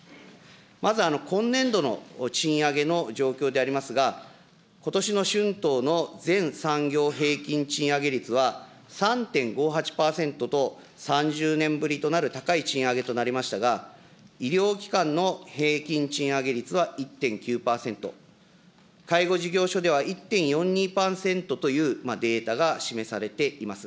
まず今年度の賃上げの状況でありますが、ことしの春闘の全産業平均賃上げ率は３．５８％と、３０年ぶりとなる高い賃上げとなりましたが、医療機関の平均賃上げ率は１．９％、介護事業所では１．４２％というデータが示されています。